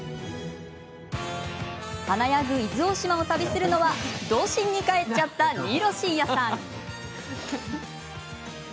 華やぐ伊豆大島を旅するのは童心に返っちゃった新納慎也さん。